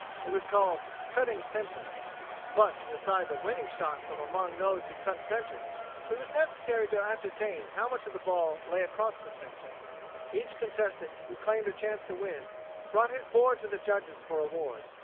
It was called "cutting center." But to decide the winning shot from among those who cut center it was necessary to ascertain how much of the ball lay across center. Each contestant who claimed a chance to win brought his board to the judges for award.